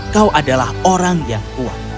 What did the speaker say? kau adalah orang yang kuat